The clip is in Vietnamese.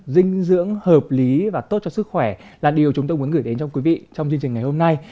dinh dưỡng hợp lý và tốt cho sức khỏe là điều chúng tôi muốn gửi đến trong quý vị trong chương trình ngày hôm nay